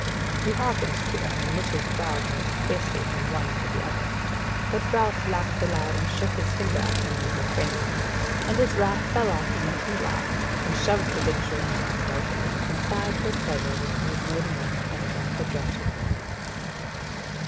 He hearkened to them, and knit his brows and looked fiercely from one to the other. But Ralph laughed aloud, and shook his finger at him and refrained him, and his wrath ran off him and he laughed, and shoved the victual into him doughtily, and sighed for pleasure when he had made an end and drunk a draught of wine.